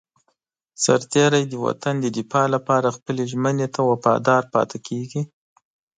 سرتېری د وطن د دفاع لپاره خپلې ژمنې ته وفادار پاتې کېږي.